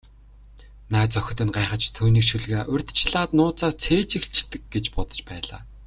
Найз охид нь гайхаж, түүнийг шүлгээ урьдчилаад нууцаар цээжилчихдэг гэж бодож байлаа.